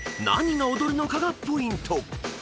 何が踊るのかがポイント］